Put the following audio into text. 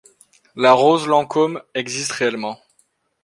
La rose Lancôme existe réellement.